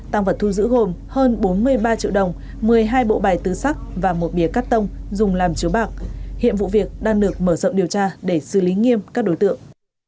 tăng vật thu giữ gồm hơn bốn mươi ba triệu đồng một mươi hai bộ bài tứ sắc và một bìa cắt tông dùng làm chiếu bạc hiện vụ việc đang được mở rộng điều tra để xử lý nghiêm các đối tượng